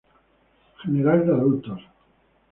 General de Adultos.